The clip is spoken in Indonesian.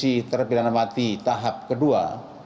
masih terpidana mati tahap kedua